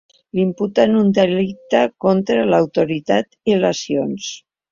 Li imputen un delicte contra l’autoritat i lesions.